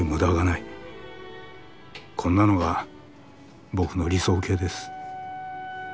こんなのが僕の理想型です。